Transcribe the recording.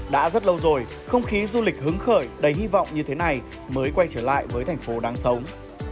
đã rất lâu rồi không khí du lịch hứng khởi đầy hy vọng như thế này mới quay trở lại với thành phố đáng sống